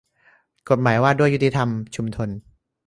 กฎหมายว่าด้วยยุติธรรมชุมชน